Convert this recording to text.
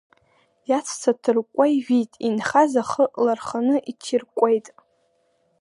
Иаҵәца ҭыркәкәа ижәит, инхаз ахы ларханы иҭиркәкәеит.